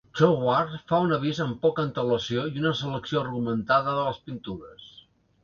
Towooart fa un avís amb poca antelació i una selecció argumentada de les pintures.